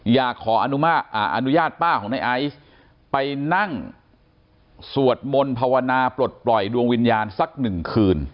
อยากขออนุญาตป้าของในไอซ์ไปนั่งสวดมนต์ภาวนาปลดปล่อยดวงวิญญาณสักหนึ่งคืน